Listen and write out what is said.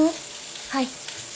はい。